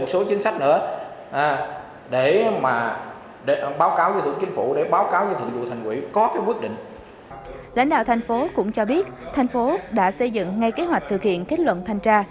ngay sau buổi tiếp xúc với những người dân lãnh đạo thành phố đã xây dựng ngay kế hoạch thực hiện kết luận thanh tra